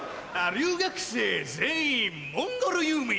留学生全員モンゴル遊民。